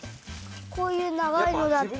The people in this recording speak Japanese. こういうながいのだったら。